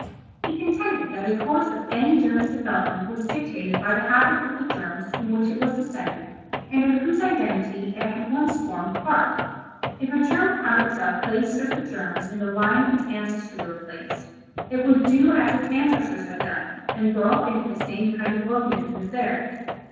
He contended that the course of any germ's development was dictated by the habits of the germs from which it was descended and of whose identity it had once formed part. If a germ found itself placed as the germs in the line of its ancestry were placed, it would do as its ancestors had done, and grow up into the same kind of organism as theirs.